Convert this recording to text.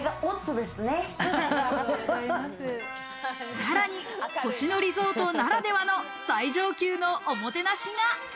さらに星野リゾートならではの最上級のおもてなしが。